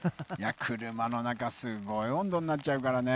車の中すごい温度になっちゃうからね。